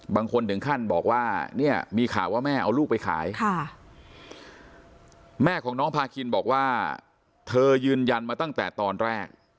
บางคนถึงขั้นบอกว่าเนี่ยมีข่าวว่าแม่เอาลูกไปขายแม่ของน้องพาคินบอกว่าเธอยืนยันมาตั้งแต่ตอนแรก